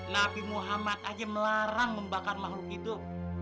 nabi muhammad aja melarang membakar makhluk hidup